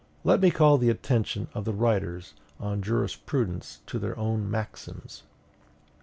Let me call the attention of the writers on jurisprudence to their own maxims.